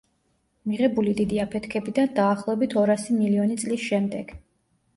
მიღებული დიდი აფეთქებიდან, დაახლოებით ორასი მილიონი წლის შემდეგ.